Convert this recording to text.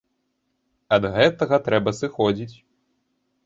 Ад гэтага трэба сыходзіць.